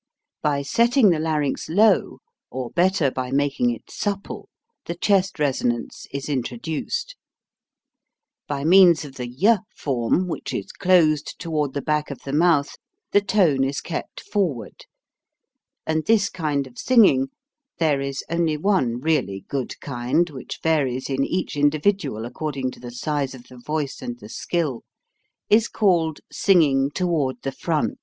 By setting the larynx low, or better by making it supple, the chest resonance is introduced By means of the 7/ form, which is closed toward the back of the mouth, the tone is kept forward ; and this kind of singing there is only one really good kind, which varies in each indi vidual according to the size of the voice and [the skill is called singing toward the front.